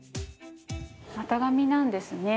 股上なんですね。